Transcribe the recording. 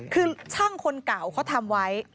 คือช่างคนเก่าเขาทำไว้